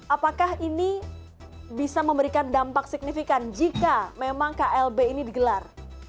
apakah ini bisa memberikan dampak signifikan jika memang klb ini digelar